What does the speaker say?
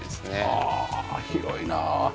ああ広いな。